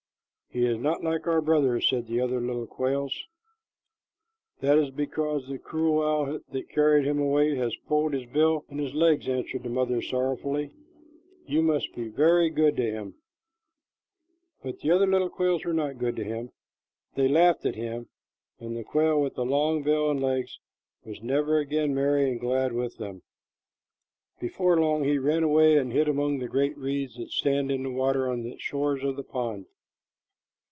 "He is not like our brother," said the other little quails. "That is because the cruel owl that carried him away has pulled his bill and his legs," answered the mother sorrowfully. "You must be very good to him." But the other little quails were not good to him. They laughed at him, and the quail with the long bill and legs was never again merry and glad with them. Before long he ran away and hid among the great reeds that stand in the water and on the shores of the pond.